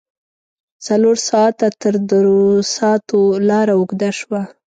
څلور ساعته تر دروساتو لار اوږده شوه.